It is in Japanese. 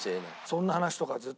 そんな話とかをずっと。